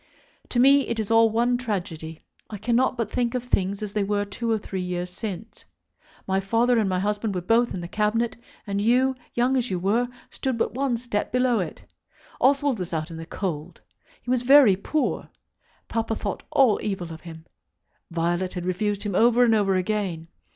To me it is all one tragedy. I cannot but think of things as they were two or three years since. My father and my husband were both in the Cabinet, and you, young as you were, stood but one step below it. Oswald was out in the cold. He was very poor. Papa thought all evil of him. Violet had refused him over and over again.